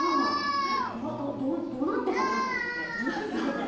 どうなってかなって思って。